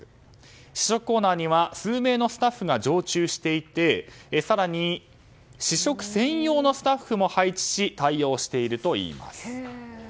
試食コーナーには数名のスタッフが常駐していて更に試食専用のスタッフも配置し対応しているといいます。